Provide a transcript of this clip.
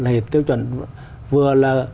hệ tiêu chuẩn vừa là